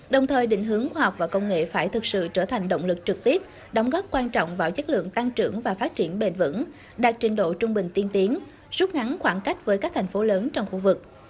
đồng thời định hướng khoa học và công nghệ phải thực sự trở thành động lực trực tiếp đóng góp quan trọng vào chất lượng tăng trưởng và phát triển bền vững đạt trình độ trung bình tiên tiến rút ngắn khoảng cách với các thành phố lớn trong khu vực